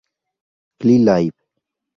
Glee Live!